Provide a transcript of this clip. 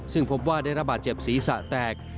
ซึ่งพบว่าได้ระบาดเจ็บศีรษะแตก